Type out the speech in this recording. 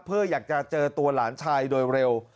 เพื่ออยากจะเจอตัวหลานชายโดยเร็ว